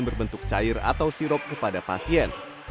di seluruh fasilitas pelayanan